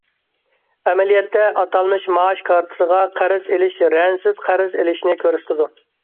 ئەمەلىيەتتە ئاتالمىش مائاش كارتىسىغا قەرز ئېلىش رەنىسىز قەرز ئېلىشنى كۆرسىتىدۇ.